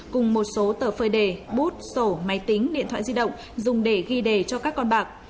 cùng một số tờ phơi đề bút sổ máy tính điện thoại di động dùng để ghi đề cho các con bạc